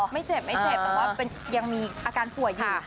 ไม่เจ็บเพราะยังมีอาการป่วยอยู่